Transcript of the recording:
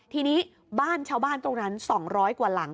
ทีนี้บ้านชาวบ้านตรงนั้น๒๐๐กว่าหลัง